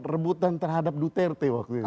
rebutan terhadap duterte waktu itu